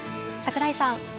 櫻井さん。